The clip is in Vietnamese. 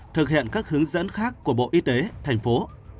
thực hiện các hướng dẫn khác của bộ y tế thành phố